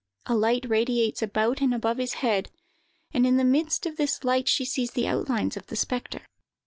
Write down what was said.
A light radiates about and above his head, and in the midst of this light she sees the outlines of the spectre.